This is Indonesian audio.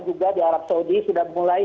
juga di arab saudi sudah mulai